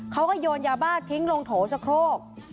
เขาก็โยนยาบ้าทิ้งลงโถสะโครก